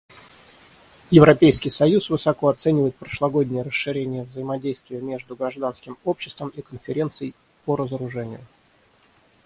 Европейский союз высоко оценивает прошлогоднее расширение взаимодействия между гражданским обществом и Конференцией по разоружению.